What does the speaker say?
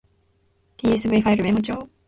tsv ファイルメモ帳